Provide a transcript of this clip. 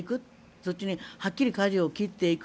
そっちにはっきりかじを切っていく。